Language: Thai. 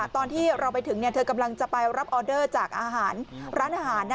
ตอนที่เราไปถึงเธอกำลังจะไปรับออเดอร์จากอาหารร้านอาหาร